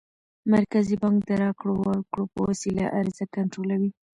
مرکزي بانک د راکړو ورکړو په وسیله عرضه کنټرولوي.